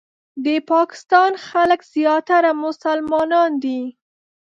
د پاکستان خلک زیاتره مسلمانان دي.